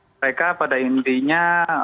mereka pada intinya